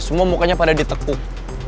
semua mukanya pada ditekuk